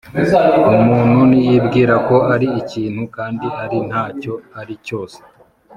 Umuntu niyibwira ko ari ikintu kandi ari nta cyo ari cyose